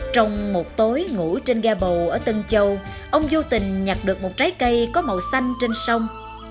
trong một tối ngủ trên ga bầu ở tân châu ông vô tình nhặt được một trái cây có màu xanh trên sông